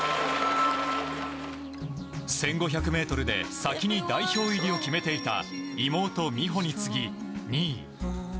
１５００ｍで先に代表入りを決めていた妹・美帆に次ぎ、２位。